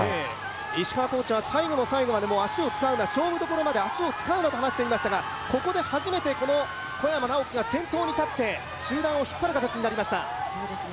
石川コーチは最後の最後まで勝負どころまで足を使うなと話していましたがここで初めて小山直城が先頭に立って集団を引っ張る形になりました。